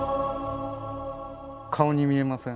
顔に見えません？